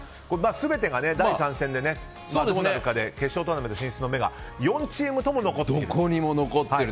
全てが第３戦でどうなるか決勝トーナメント進出の目が４チームとも残っている。